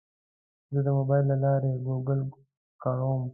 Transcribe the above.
زه د موبایل له لارې ګوګل کاروم.